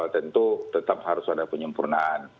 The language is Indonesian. tentu tetap harus ada penyempurnaan